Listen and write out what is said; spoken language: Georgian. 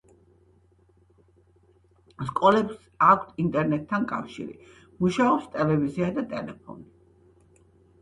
სკოლებს აქვთ ინტერნეტთან კავშირი, მუშაობს ტელევიზია და ტელეფონი.